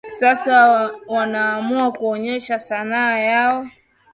sasa wanaamua kuonyesha sanaa yao